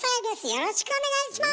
よろしくお願いします！